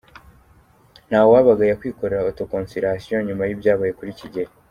Ntawabagaya kwikorera autoconsolation nyuma yibyabaye kuri Kigeli.